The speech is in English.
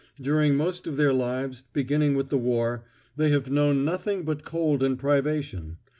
During most of their lives, beginning with the war, they have known nothing but cold and privation.